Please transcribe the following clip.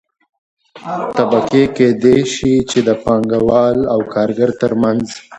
طبقې کيدى شي چې د پانګه وال او کارګر ترمنځ